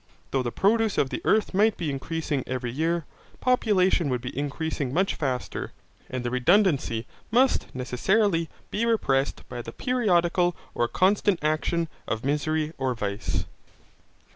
Though the produce of the earth might be increasing every year, population would be increasing much faster, and the redundancy must necessarily be repressed by the periodical or constant action of misery or vice.